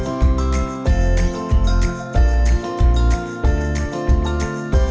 oh gitu kenapa namanya ceker setan bu